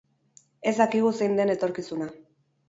Ez dakigu zein den etorkizuna.